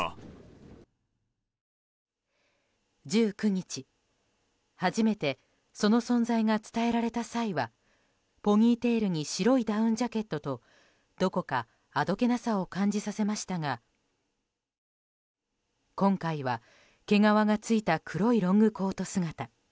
１９日、初めてその存在が伝えられた際はポニーテールに白いダウンジャケットとどこかあどけなさを感じさせましたが今回は毛皮がついた黒いロングコート姿。